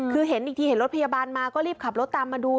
คือเห็นอีกทีเห็นรถพยาบาลมาก็รีบขับรถตามมาดู